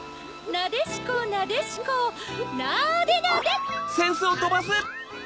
なでしこなでしこなでなで！ハヒ？